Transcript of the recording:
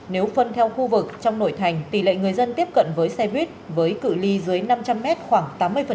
nếu phân theo khu vực trong nội thành tỷ lệ người dân tiếp cận với xe buýt với cự li dưới năm trăm linh m khoảng tám mươi